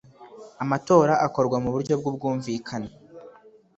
Amatora akorwa mu buryo bw ubwumvikane